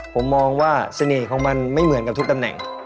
ผมมองว่าเสน่ห์ของมันไม่เหมือนกับทุกตำแหน่ง